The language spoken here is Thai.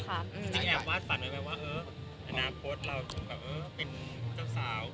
จริงแอบวาดฝันเหมือนกันว่าเอออนาคตเราเป็นเจ้าสาว